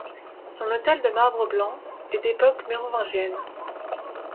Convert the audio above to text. Son autel de marbre blanc est d’époque mérovingienne.